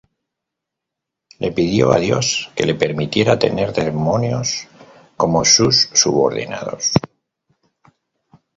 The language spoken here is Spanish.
Le pidió a Dios que le permitiera tener demonios como sus subordinados.